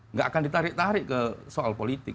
nggak akan ditarik tarik ke soal politik